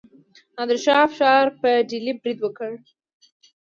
نادر شاه افشار په ډیلي برید وکړ.